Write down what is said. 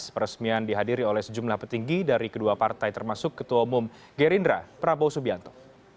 peresmian dihadiri oleh sejumlah petinggi dari kedua partai termasuk ketua umum gerindra prabowo subianto